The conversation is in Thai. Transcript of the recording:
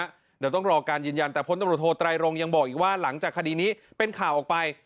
เดี๋ยวต้องรอการยืนยันแต่พลตำรวจโทไตรรงยังบอกอีกว่าหลังจากคดีนี้เป็นข่าวออกไป